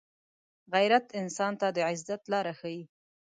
غیرت انسان ته د عزت لاره ښيي